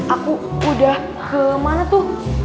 aku udah ke mana tuh